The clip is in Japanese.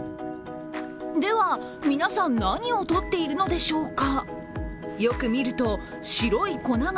では、皆さん何をとっているのでしょうか？